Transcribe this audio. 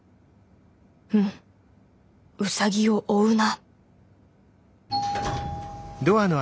うんウサギを追うな。